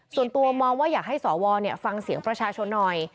ส่วนตัวมองว่าอยากให้สวฟังเสียงประชาชนหน่อย